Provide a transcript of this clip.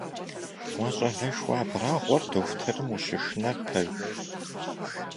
Уэ щӏалэшхуэ абрагъуэр дохутырым ущышынэр пэж?